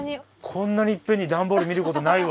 こんなにいっぺんに段ボール見ることないわ。